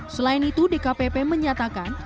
selain itu dkpp menyatakan